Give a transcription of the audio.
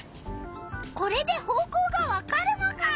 これで方向がわかるのか！